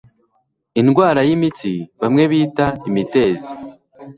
indwara y'imitsi bamwe bita imitezi)